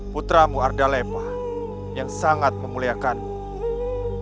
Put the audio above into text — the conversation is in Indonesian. putramu arda lepa yang sangat memuliakanmu